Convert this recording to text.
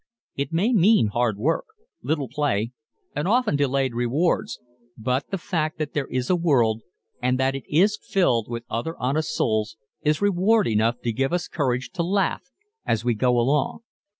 It may mean hard work, little play and often delayed rewards but the fact that there is a world, and that it is filled with other honest souls is reward enough to give us courage to laugh as we go along.